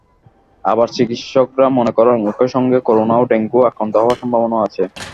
আবার চিকিৎসকরা মনে করেন, একই সঙ্গে করোনা ও ডেঙ্গু আক্রান্ত হওয়ার সম্ভাবনাও আছে।